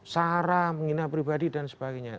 sarah menghina pribadi dan sebagainya